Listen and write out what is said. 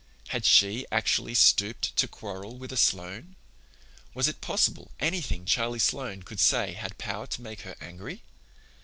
Had she actually stooped to quarrel with a Sloane? Was it possible anything Charlie Sloane could say had power to make her angry?